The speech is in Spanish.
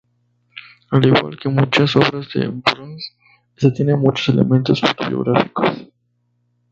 Al igual que muchas obras de Bryce, esta tiene muchos elementos autobiográficos.